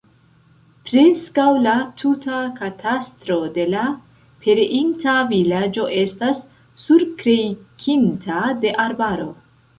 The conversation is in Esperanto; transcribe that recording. Preskaŭ la tuta katastro de la pereinta vilaĝo estas surkrejkinta de arbaro.